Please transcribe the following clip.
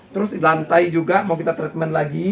terus di lantai juga mau kita treatment lagi